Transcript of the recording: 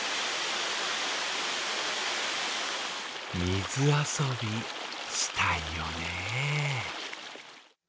水遊び、したいよね。